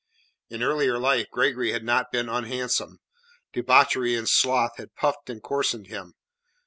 In earlier life Gregory had not been unhandsome; debauchery and sloth had puffed and coarsened him.